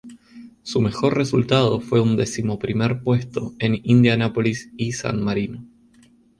Su mejor resultado fue un decimoprimer puesto en Indianápolis y San Marino.